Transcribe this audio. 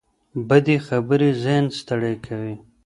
بدې خبرې ذهن ستړي کوي